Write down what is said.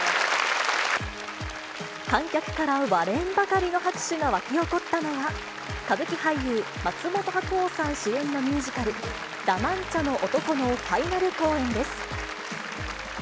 観客から割れんばかりの拍手が沸き起こったのは、歌舞伎俳優、松本白鸚さん主演のミュージカル、ラ・マンチャの男のファイナル公演です。